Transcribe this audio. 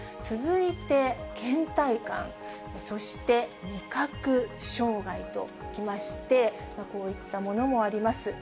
続いてけん怠感、そして味覚障害と来まして、こういったものもあります。